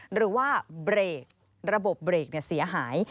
หรือว่าเบรกระบบเบรกเสียหาย